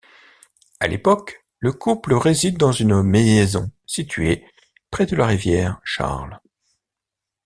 À l'époque, le couple réside dans une maison située près de la rivière Charles.